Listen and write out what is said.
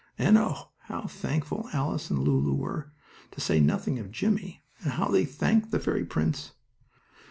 And oh, how thankful Alice and Lulu were, to say nothing of Jimmie; and how they thanked the fairy prince.